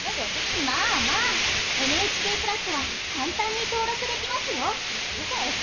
まあまあＮＨＫプラスは簡単に登録できますよ。